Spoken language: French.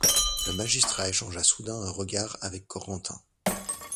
Le magistrat échangea soudain un regard avec Corentin.